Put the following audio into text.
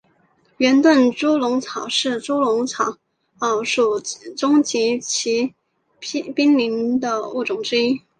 圆盾猪笼草是猪笼草属中极其濒危的物种之一。